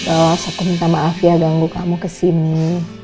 kalau aku minta maaf ya ganggu kamu ke sini